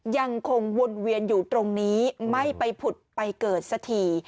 ยังคงวนเวียนอยู่ตรงนี้ไม่ไปผุดไปเกิดสักที